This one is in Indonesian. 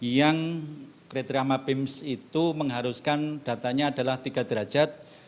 yang kriteria mapims itu mengharuskan datanya adalah tiga derajat